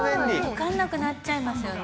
わかんなくなっちゃいますよね